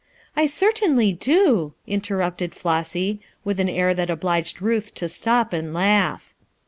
"I certainly do!" interrupted Flossy, with an air that obliged Ruth to stop and laugh.